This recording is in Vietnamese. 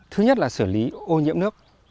thứ nhất là xử lý ô nhiễm nước